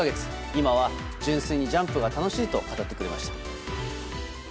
今は、純粋にジャンプが楽しいと語ってくれました。